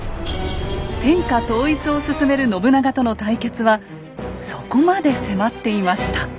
天下統一を進める信長との対決はそこまで迫っていました。